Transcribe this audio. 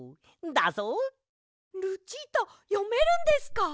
ルチータよめるんですか！？